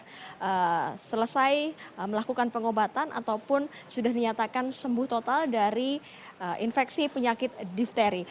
sudah selesai melakukan pengobatan ataupun sudah dinyatakan sembuh total dari infeksi penyakit difteri